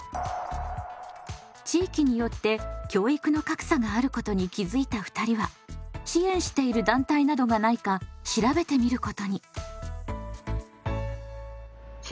地域によって教育の格差があることに気付いた２人は支援している団体などがないか調べてみることに。